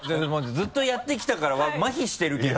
ずっとやってきたからマヒしてるけど。